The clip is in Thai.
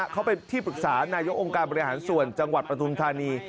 เขาเป็นที่ปรึกษานายกองค์การบริหารส่วนจังหวัดปฐุมธานี